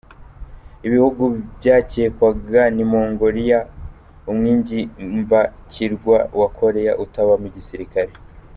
Ibihugu byakekwaga ni Mongolia umwigimbakirwa wa Koreya utabamo igisirikare.